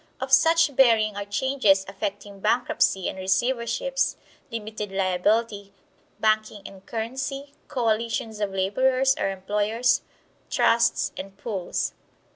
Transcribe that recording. Of such bearing are changes affecting bankruptcy and receiverships, limited liability, banking and currency, coalitions of laborers or employers, trusts and pools.